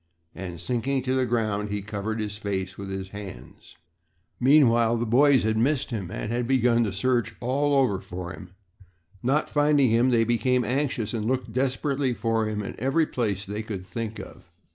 and, sinking to the ground, he covered his face with his hands. Meanwhile, the boys had missed him and had begun to search all over for him. Not finding him, they became anxious and looked desperately for him in every place they could think of.